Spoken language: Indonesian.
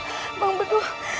aduh bang benuh